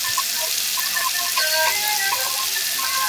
না, আমার আবার যাত্রা কী?